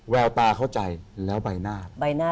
แววตาเข้าใจแล้วใบหน้า